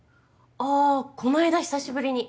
ああこの間久しぶりに。